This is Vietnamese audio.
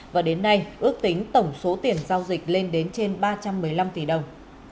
và đến nay ước tính tổng số tiền giao dịch lên đến trên ba trăm một mươi năm tỷ đồng